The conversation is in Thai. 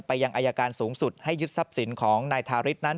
ยังอายการสูงสุดให้ยึดทรัพย์สินของนายทาริสนั้น